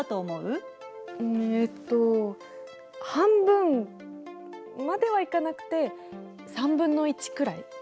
えっと半分まではいかなくて３分の１くらい？